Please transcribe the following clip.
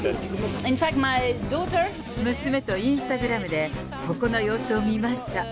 娘とインスタグラムで、ここの様子を見ました。